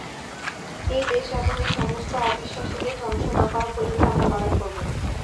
এই দেশ এবং এর সমস্ত অবিশ্বাসীদের ধ্বংস না করা পর্যন্ত আমরা লড়াই করব।